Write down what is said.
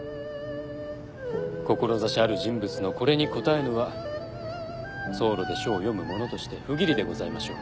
志ある人物のこれに応えぬは草廬で書を読む者として不義理でございましょう。